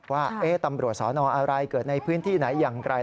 ว่าตำรวจสอนออะไรเกิดในพื้นที่ไหนอย่างไร